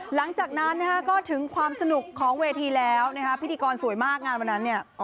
หลังจากนั้นนะฮะก็ถึงความสนุกของเวทีแล้วนะฮะพิธีกรสวยมากงานวันนั้นเนี่ย